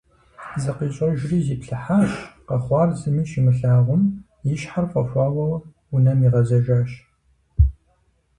ЗыкъищӀэжри зиплъыхьащ, къэхъуар зыми щимылъагъум, и щхьэр фӀэхуауэ унэм игъэзжащ.